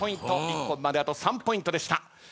一本まであと３ポイントでした。